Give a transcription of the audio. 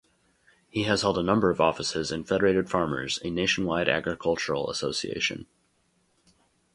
He has held a number of offices in Federated Farmers, a nationwide agricultural association.